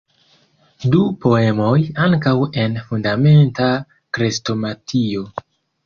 Du poemoj ankaŭ en "Fundamenta Krestomatio".